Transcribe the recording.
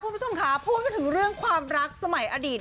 คุณผู้ชมค่ะพูดไปถึงเรื่องความรักสมัยอดีต